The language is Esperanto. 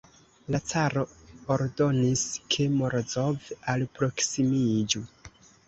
La caro ordonis, ke Morozov alproksimiĝu.